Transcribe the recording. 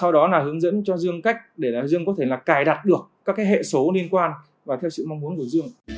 đó là hướng dẫn cho dương cách để dương có thể cài đặt được các hệ số liên quan và theo sự mong muốn của dương